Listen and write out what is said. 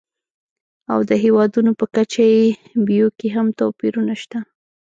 او د هېوادونو په کچه یې بیو کې هم توپیرونه شته.